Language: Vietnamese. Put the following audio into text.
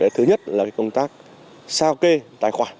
thứ nhất là công tác sao kê tài khoản